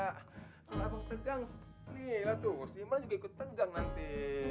kalau abang tegang nih lah tuh gus imam juga ikut tegang nanti